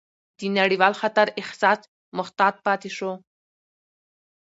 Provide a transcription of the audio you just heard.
د نړیوال خطر احساس محتاط پاتې شو،